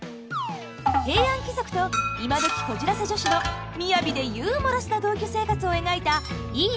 平安貴族と今どきこじらせ女子の雅でユーモラスな同居生活を描いた「いいね！